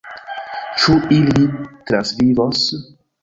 Ĉu ili transvivos?